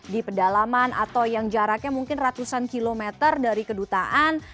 di pedalaman atau yang jaraknya mungkin ratusan kilometer dari kedutaan